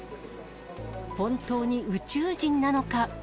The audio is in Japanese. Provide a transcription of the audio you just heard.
本当に宇宙人なのか。